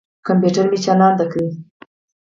کمپیوټر مې چالاند دي.